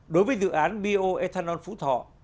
đối với dự án bioethanol phú thọ